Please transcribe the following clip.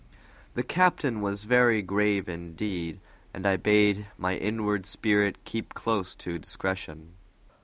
The captain was very grave indeed, and I bade my inward spirit keep close to discretion.